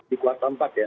di kuartal empat ya